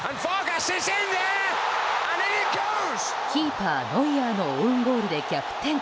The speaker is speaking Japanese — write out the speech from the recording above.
キーパーノイアーのオウンゴールで逆転。